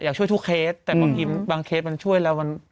อยากช่วยทุกเคสแต่บางเคสมันช่วยแล้ว